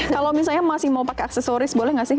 kalau misalnya masih mau pakai aksesoris boleh nggak sih